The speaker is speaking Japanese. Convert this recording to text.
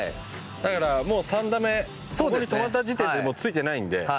だからもう３打目ここに止まった時点でもうついてないので。